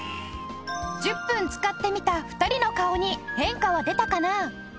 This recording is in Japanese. １０分使ってみた２人の顔に変化は出たかな？